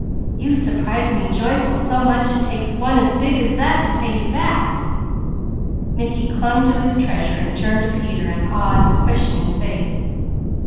You've surprised me joyful so much, it takes one as big as that to pay you back." Mickey clung to his treasure, while turning to Peter an awed, questioning face.